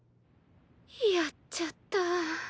やっちゃった。